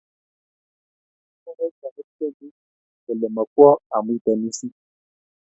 Mwoe kanetindenu kole makwoo amuite mising